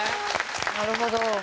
なるほど。